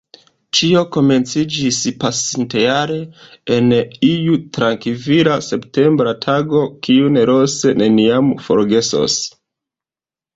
Ĉio komenciĝis pasintjare en iu trankvila septembra tago, kiun Ros neniam forgesos.